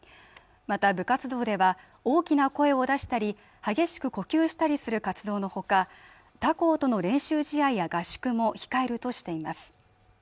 また部活動では大きな声を出したり激しく呼吸したりする活動のほか他校との練習試合や合宿も控えるとしています